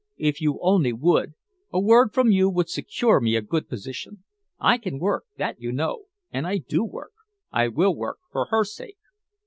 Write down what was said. "If you only would! A word from you would secure me a good position. I can work, that you know and I do work. I will work for her sake."